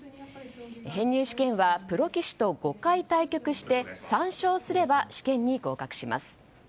編入試験はプロ棋士と５回対局して３勝すれば試験に合格します。